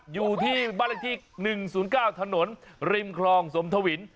อยู่ที่บ้านเลขที่๑๐๙ถนนริมคลองสมทวิน